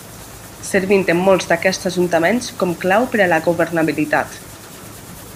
Servint en molts d'aquests ajuntaments com clau per a la governabilitat.